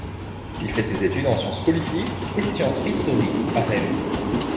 Il fait ses études en sciences politiques et sciences historiques à Rennes.